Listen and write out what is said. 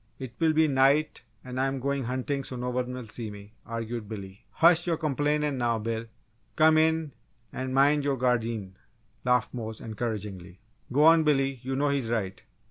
It will be night and I'm going huntin' so no one will see me!" argued Billy. "Hush yo' complain' now, Bill! Come in an' min' yo gardeen!" laughed Mose, encouragingly. "Go on, Billy, you know he's right!